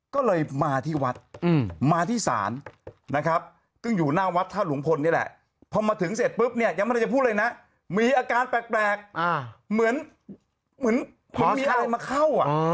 กูอยากจะพูดเลยนะมีอาการแปลกเหมือนไม่มีอันนี้มาเข้า